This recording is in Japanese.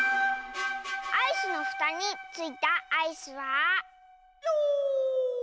アイスのふたについたアイスは。